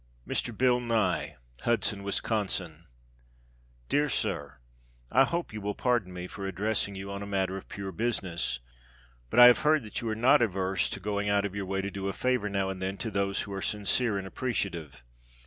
Mr. Bill Nye, Hudson, Wis. DEAR SIR: I hope you will pardon me for addressing you on a matter of pure business, but I have heard that you are not averse to going out of your way to do a favor now and then to those who are sincere and appreciative.